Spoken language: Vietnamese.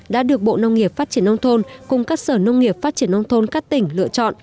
đã được bộ nông nghiệp phát triển nông thôn cùng các sở nông nghiệp phát triển nông thôn các tỉnh lựa chọn